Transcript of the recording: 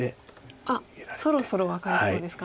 あっそろそろ分かりそうですか？